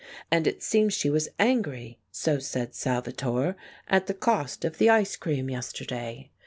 And it seems she was angry, so said Salvatore, at the cost of the ice cream yesterday.